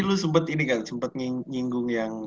lu sempet ini kan sempet nyinggung yang